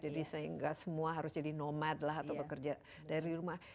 jadi sehingga semua harus jadi nomad lah atau bekerja dari rumah